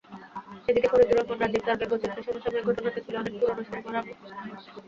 এদিকে ফরিদুর রহমান রাজীব তাঁর ব্যঙ্গচিত্রে সমসাময়িক ঘটনাকে তুলে আনেন পুরোনো সিনেমার আবহে।